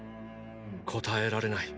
答えられない。